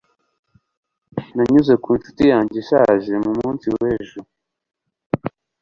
Nanyuze ku ncuti yanjye ishaje mu munsi w'ejo.